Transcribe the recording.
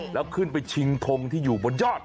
แล้วขึ้นไปชิงทงที่อยู่บนยอด